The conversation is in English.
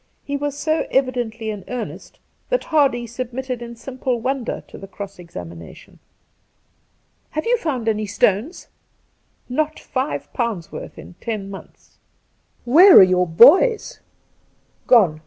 He was so evidently in earnest that Hardy sub mitted in simple wonder to the cross examination. ' Have you found any stones ?'' Not five poimds' worth in ten months !'' Where are your boys ?'' Grone.